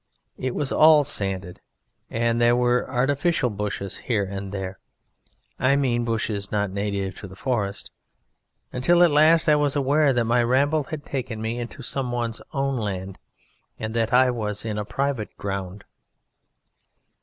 It was all sanded, and there were artificial bushes here and there I mean bushes not native to the forest, until at last I was aware that my ramble had taken me into some one's own land, and that I was in a private ground.